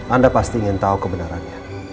anda pasti ingin tahu kebenarannya